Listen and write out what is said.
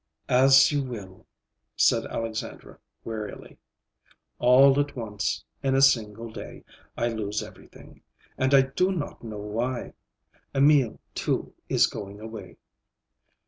"As you will," said Alexandra wearily. "All at once, in a single day, I lose everything; and I do not know why. Emil, too, is going away."